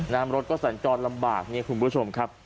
น้ำรถก็สัญจรลำบากเนี่ยคุณผู้ชมครับ